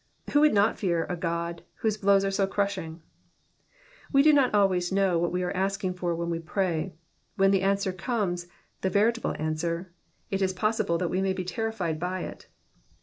Who would not fear a God whose blows are so crushing ? We do not always know what we are asking for when we pray ; when the answer comes, the veritable answer, it is possible that we may be terrified by it.